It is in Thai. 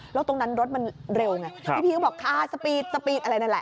แล้วตรงนั้นรถมันเร็วไงพี่ก็บอกคาสปีดสปีดอะไรนั่นแหละ